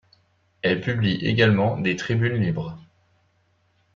Elle publie également des tribunes libres.